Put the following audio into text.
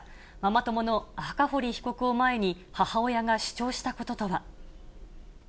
ママ友の赤堀被告を前に母親が主張したこととは。